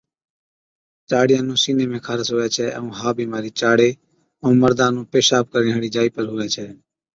چاڙِيان نُون سِيني ۾ خارس هُوَي ڇَي ائُون ها بِيمارِي چاڙي ائُون مردا نُون پيشاب ڪرڻي هاڙِي جائِي پر هُوَي ڇَي